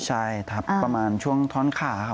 ใช่ทับประมาณช่วงท่อนขาครับ